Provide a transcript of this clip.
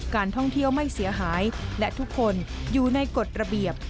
การท่องเที่ยวไม่เสียหายและทุกคนอยู่ในกฎระเบียบ